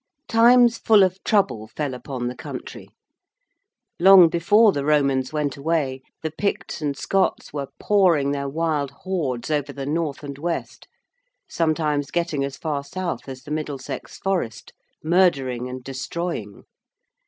Times full of trouble fell upon the country. Long before the Romans went away the Picts and Scots were pouring their wild hordes over the north and west, sometimes getting as far south as the Middlesex Forest, murdering and destroying.